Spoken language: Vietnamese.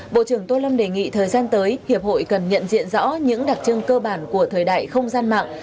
bộ trưởng tô lâm đề nghị thời gian tới hiệp hội cần nhận diện rõ những đặc trưng cơ bản của thời đại không gian mạng